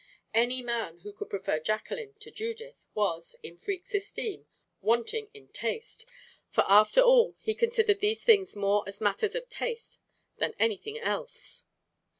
Any man who could prefer Jacqueline to Judith was, in Freke's esteem, wanting in taste; for, after all, he considered these things more as matters of taste than anything else.